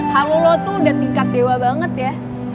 halo lo tuh udah tingkat dewa banget ya